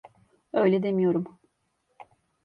Öyle demiyorum.